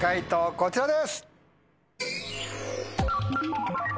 こちらです。